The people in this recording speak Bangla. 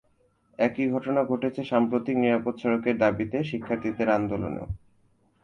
একই ঘটনা ঘটেছে সাম্প্রতিক নিরাপদ সড়কের দাবিতে শিক্ষার্থীদের আন্দোলনেও।